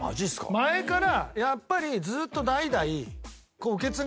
前からやっぱりずーっと。